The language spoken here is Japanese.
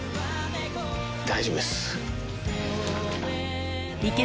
大丈夫です！